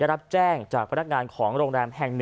รับแจ้งจากพนักงานของโรงแรมแห่ง๑